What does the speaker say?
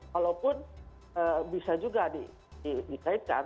walaupun bisa juga dikaitkan